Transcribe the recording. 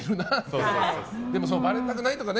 でも、ばれたくないとかね。